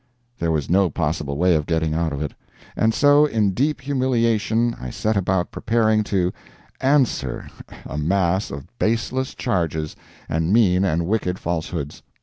There was no possible way of getting out of it, and so, in deep humiliation, I set about preparing to "answer" a mass of baseless charges and mean and wicked falsehoods.